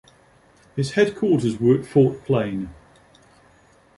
His headquarters were at Fort Plain.